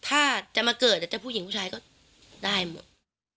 ถ้าจะมาเกิดจะผู้หญิงผู้ชายก็ได้หมด